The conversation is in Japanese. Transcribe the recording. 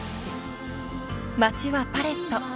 ［街はパレット］